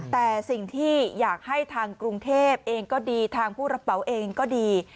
แต่สิ่งที่อยากให้ทางกรุงเทพเองก็ดีทางผู้รับเป๋าเองก็ดี